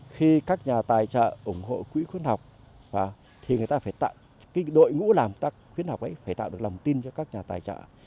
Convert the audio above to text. khi các nhà tài trợ ủng hộ quỹ khuyến học thì đội ngũ làm quỹ khuyến học ấy phải tạo được lòng tin cho các nhà tài trợ